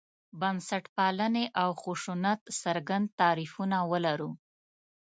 بنسټپالنې او خشونت څرګند تعریفونه ولرو.